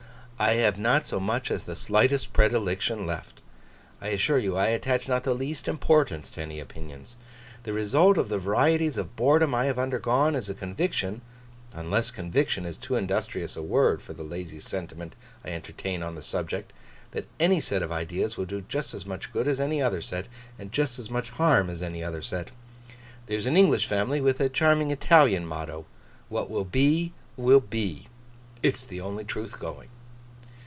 'I have not so much as the slightest predilection left. I assure you I attach not the least importance to any opinions. The result of the varieties of boredom I have undergone, is a conviction (unless conviction is too industrious a word for the lazy sentiment I entertain on the subject), that any set of ideas will do just as much good as any other set, and just as much harm as any other set. There's an English family with a charming Italian motto. What will be, will be. It's the only truth going!